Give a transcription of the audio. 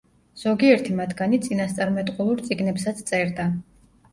ზოგიერთი მათგანი წინასწარმეტყველურ წიგნებსაც წერდა.